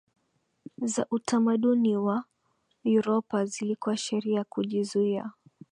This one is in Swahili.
za utamaduni wa Uropa zilikuwa sheria kujizuia